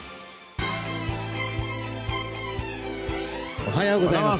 おはようございます。